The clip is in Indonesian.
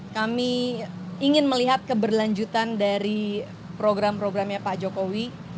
kami ingin melihat keberlanjutan dari program programnya pak jokowi